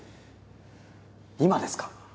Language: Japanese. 今ですか？